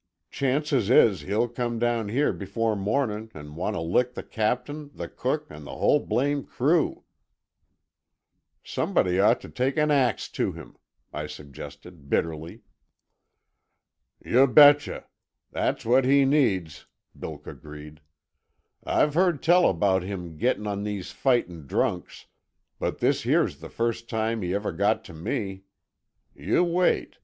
Chances is he'll come down here before mornin' an' want t' lick the captain, the cook, an' the whole blame crew." "Somebody ought to take an axe to him," I suggested bitterly. "Yuh betche. That's what he needs," Bilk agreed. "I've heard tell about him gettin' on these fightin' drunks, but this here's the first time he ever got t' me. Yuh wait.